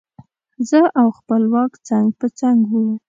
زه او خپلواک څنګ په څنګ وو.